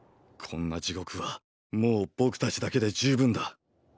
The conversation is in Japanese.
こんな地獄はもう僕たちだけで十分だ。